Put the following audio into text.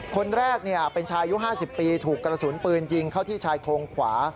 คนแรกเป็นชายุ๕๐ปีถูกกระสุนปืนยิงเข้าที่ชายโครงขวา